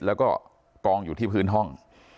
แล้วก็กองอยู่ที่พื้นห้อง